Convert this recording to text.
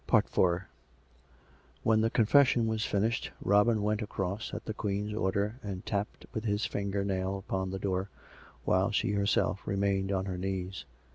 IV When the confession was finished, Robin went across, at the Queen's order, and tapped with his finger nail upon the door, while she herself remained on her knees.